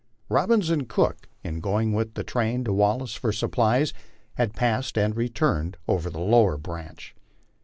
Robbins and Cook, in going with the train to Wallace for supplies, had passed and returned over the lower branch.